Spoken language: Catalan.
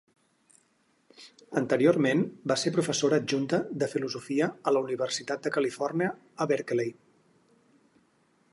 Anteriorment, va ser professora adjunta de filosofia a la Universitat de Califòrnia a Berkeley.